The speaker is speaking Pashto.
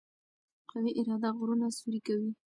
قوي اراده غرونه سوري کوي.